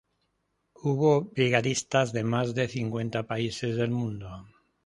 Hubo brigadistas de más de cincuenta países del mundo.